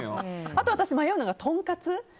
あと私、迷うのがとんかつ。